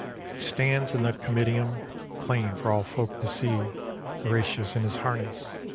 It stands in the Comitium, Plain for all folk to see; Horatius in his harness.